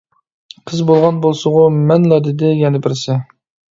-قىز بولغان بولسىغۇ، مەنلا. دېدى يەنە بىرسى.